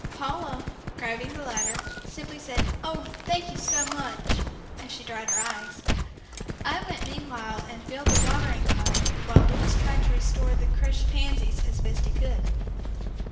Paula, grabbing the ladder, simply said, "Oh, thank you so much," as she dried her tears. I went meanwhile and filled the watering pot while Louis tried to restore the crushed pansies as best he could.